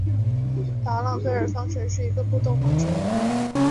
达朗贝尔方程是一个的波动方程。